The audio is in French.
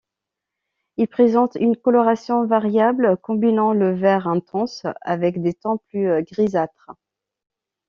Il présente une coloration variable, combinant le vert intense avec des tons plus grisâtres.